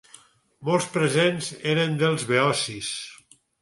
Molts presents eren dels beocis.